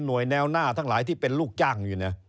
แนวหน้าทั้งหลายที่เป็นลูกจ้างอยู่เนี่ย